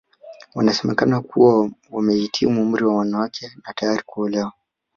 Wanasemekana kuwa wamehitimu umri wa wanawake na tayari kuolewa